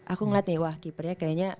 aku ngeliat nih wah keepernya kayaknya